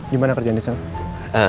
gimana kerjaan di sini